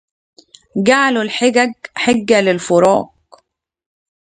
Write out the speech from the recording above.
جعلوا الحج حجة للفراق